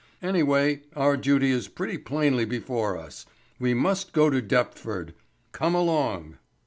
Anyway, our duty is pretty plainly before us we must go to Deptford. Come along."